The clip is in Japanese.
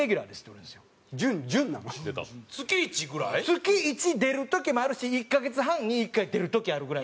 月１出る時もあるし１カ月半に１回出る時あるぐらいの。